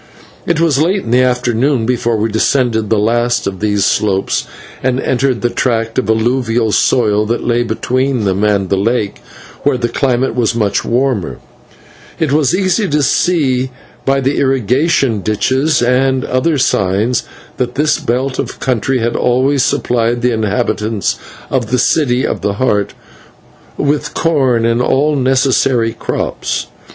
It was late in the afternoon before we descended the last of these slopes and entered the tract of alluvial soil that lay between them and the lake, where the climate was much warmer. It was easy to see by the irrigation ditches and other signs that this belt of country had always supplied the inhabitants of the City of the Heart with corn and all necessary crops.